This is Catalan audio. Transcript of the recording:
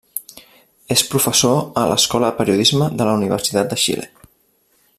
És professor a l'Escola de Periodisme de la Universitat de Xile.